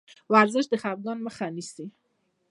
ورزش د خفګان مخه نیسي.